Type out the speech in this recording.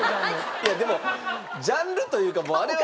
いやでもジャンルというかあれは。